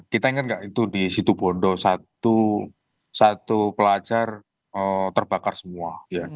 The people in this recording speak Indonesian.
kita ingat nggak itu di situ bondo satu pelajar terbakar semua